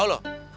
tuh luar biasa